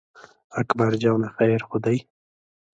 اکبر جانه خیر خو دی.